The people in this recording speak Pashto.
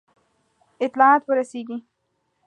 اطلاعات ورسیږي.